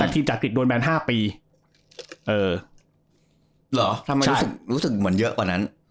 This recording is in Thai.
แต่ทีมจัดกฤษโดนแบนห้าปีเออหรอใช่รู้สึกเหมือนเยอะกว่านั้น